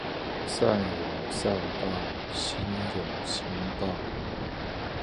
善有善報，星有星爆